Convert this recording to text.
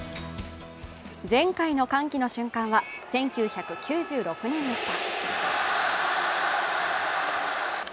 前回の歓喜の瞬間は１９９６年でした。